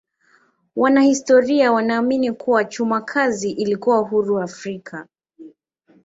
Wanahistoria wanaamini kuwa chuma kazi ilikuwa huru Afrika.